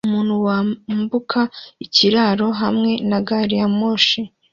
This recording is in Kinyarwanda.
Umuntu wambuka ikiraro hamwe na gari ya moshi